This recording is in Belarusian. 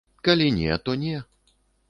Калі не, то не.